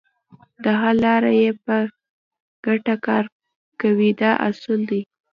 د حل لپاره یې په ګټه کار کوي دا اصول دي.